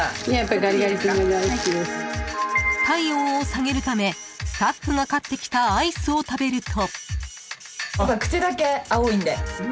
体温を下げるためスタッフが買ってきたアイスを食べると。